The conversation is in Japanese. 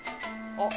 あっ。